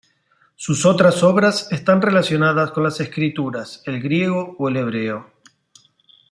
Sus otras obras están relacionadas con las escrituras, el griego o el hebreo.